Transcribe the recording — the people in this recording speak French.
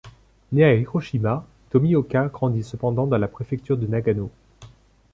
Né à Hiroshima, Tomioka grandit cependant dans la préfecture de Nagano.